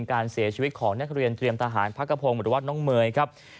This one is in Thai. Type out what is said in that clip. การเสียชีวิตของนักเรียนเตรียมทหารพักกระพงศ์หรือว่าน้องเมย์ครับ